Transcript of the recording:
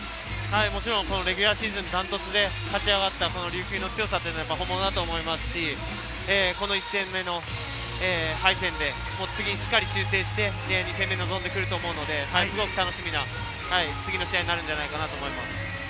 もちろん、レギュラーシーズンはダントツで勝ち上がった琉球の強さは本物だと思いますし、この１戦目の敗戦で次を修正して２戦目に臨んでくると思うのでものすごく楽しみな次の試合になるんじゃないかなと思います。